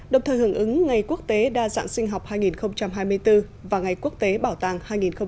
đồng thời hưởng ứng ngày quốc tế đa dạng sinh học hai nghìn hai mươi bốn và ngày quốc tế bảo tàng hai nghìn hai mươi bốn